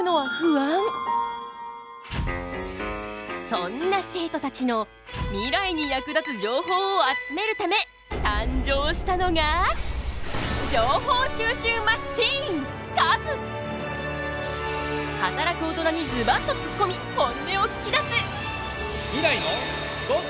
そんな生徒たちのミライに役立つ情報を集めるため誕生したのが働く大人にズバッとつっこみ本音を聞きだす！